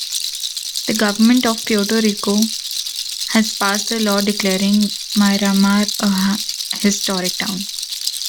The government of Puerto Rico has passed a law declaring Miramar a Historic Town.